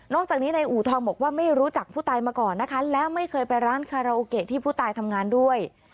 จากนี้ในอูทองบอกว่าไม่รู้จักผู้ตายมาก่อนนะคะแล้วไม่เคยไปร้านคาราโอเกะที่ผู้ตายทำงานด้วย